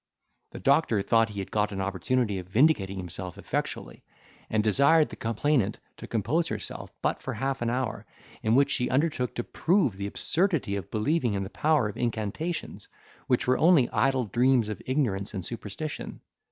The doctor thought he had got an opportunity of vindicating himself effectually; and desired the complainant to compose herself but for half an hour, in which he undertook to prove the absurdity of believing in the power of incantations, which were only idle dreams of ignorance and superstition.